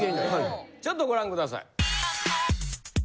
ちょっとご覧ください。